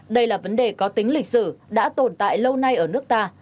đây là vấn đề có tính lịch sử đã tồn tại lâu nay ở nước ta